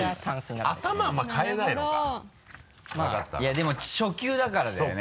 でも初級だからだよね。